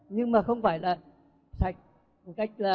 nhưng mà không phải là sạch